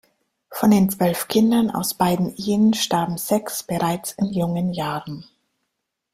Von den zwölf Kindern aus beiden Ehen starben sechs bereits in jungen Jahren.